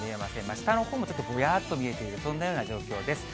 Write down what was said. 下のほうもちょっとぼやーっと見えている、そんなような状況です。